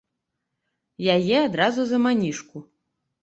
Яе адразу за манішку.